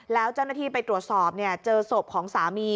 แล้วเจ้าหน้าที่ไปตรวจสอบเจอศพของสามี